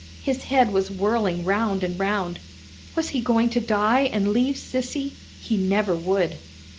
His head was whirling round and round. Was he going to die and leave Sissy? He never would!